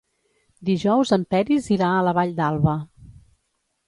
Dijous en Peris irà a la Vall d'Alba.